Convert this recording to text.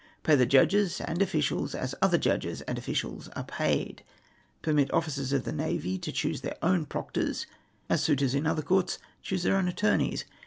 Pay the judges and officials as other judges and officials are ])aid. Permit officers of the navy to choose their own proctors, as suitors in other courts choose theu' own attorneys.